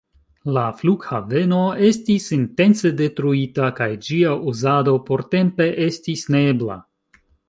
La flughaveno estis intence detruita, kaj ĝia uzado portempe estis neebla.